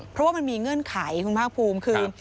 เพราะว่ามันมีเงื่อนไขคุณภาคภูมิคือ